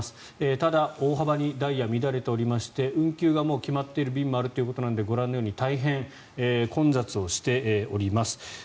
ただ、大幅にダイヤ乱れておりまして運休がもう決まっている便もあるということなのでご覧のように大変混雑をしております。